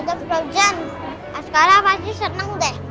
tata sprojen mas kala pasti seneng deh